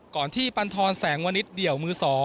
ก่อนที่ปันทรแสงวนิดเดี่ยวมือ๒